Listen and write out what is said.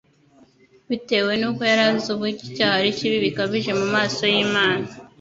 Bitewe nuko yari azi ubutyo icyaha ari kibi bikabije mu maso y'Imana,